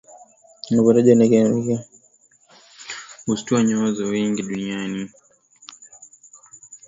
Linapotajwa jina lake kwa hakika hustua nyoyo za watu wengi duniani